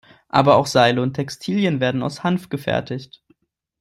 Aber auch Seile und Textilien werden aus Hanf gefertigt.